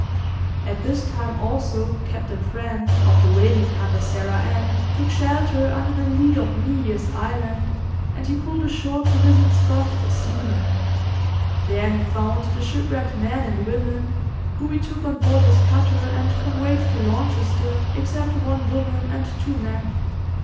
At this time also Captain Friend, of the whaling cutter 'Sarah Ann', took shelter under the lee of New Year's Island, and he pulled ashore to visit Scott the sealer. There he found the shipwrecked men and women whom he took on board his cutter, and conveyed to Launceston, except one woman and two men.